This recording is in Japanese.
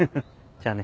じゃあね。